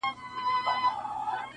د زمانې دتوپانو په وړاندي وم لکه غر ,